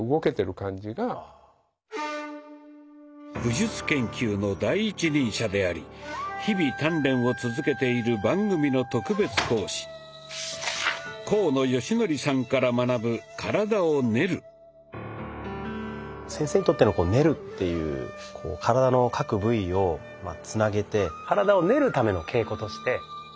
武術研究の第一人者であり日々鍛錬を続けている番組の特別講師先生にとっての「練る」っていう体の各部位をつなげて体を練るための稽古として。